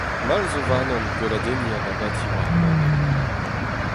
Mall zo warnon gweladenniñ an abati war ar menez.